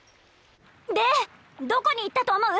でどこに行ったと思う？